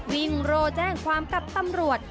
วิ่งโรแจ้งความกับตำรวจ